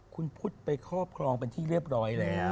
คุณพุทธไปครอบครองเป็นที่เรียบร้อยแล้ว